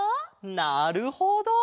なるほど！